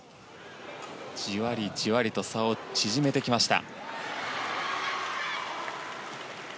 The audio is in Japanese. じわりじわりと差を縮めてきました。